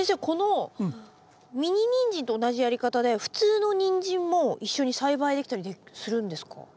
このミニニンジンと同じやり方で普通のニンジンも一緒に栽培できたりするんですか？